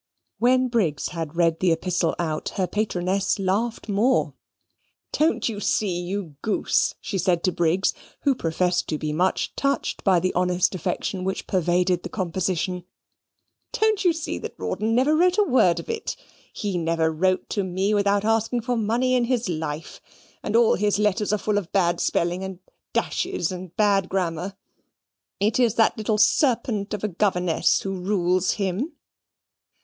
When Briggs had read the epistle out, her patroness laughed more. "Don't you see, you goose," she said to Briggs, who professed to be much touched by the honest affection which pervaded the composition, "don't you see that Rawdon never wrote a word of it. He never wrote to me without asking for money in his life, and all his letters are full of bad spelling, and dashes, and bad grammar. It is that little serpent of a governess who rules him."